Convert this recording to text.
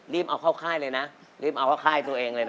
เอาเข้าค่ายเลยนะรีบเอาเข้าค่ายตัวเองเลยนะ